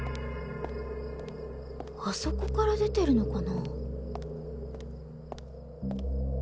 あそこから出てるのかな？